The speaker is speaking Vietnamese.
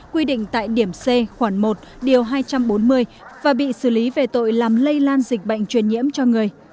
quy định tại điểm c khoảng một điều hai trăm bốn mươi và bị xử lý về tội làm lây lan dịch bệnh truyền nhiễm cho người